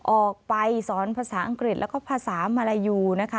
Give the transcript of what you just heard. ออกไปสอนภาษาอังกฤษแล้วก็ภาษามาลายูนะคะ